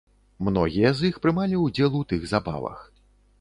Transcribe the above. Многія з іх прымалі ўдзел у тых забавах.